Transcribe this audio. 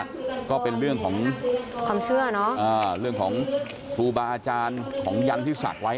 บอกว่าก็เป็นเรื่องของความเชื่อเรื่องของครูบาอาจารย์ของยันทร์ที่ศักดิ์ไว้